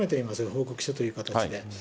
報告書という形で。